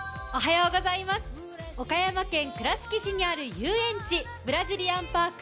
岡山県倉敷市にある遊園地、ブラジリアンパーク